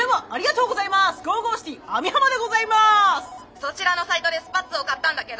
☎そちらのサイトでスパッツを買ったんだけど。